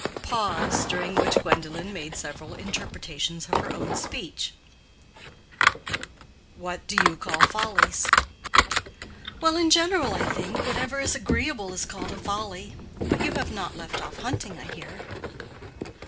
(Pause, during which Gwendolen made several interpretations of her own speech.) "What do you call follies?" "Well, in general, I think, whatever is agreeable is called a folly. But you have not left off hunting, I hear."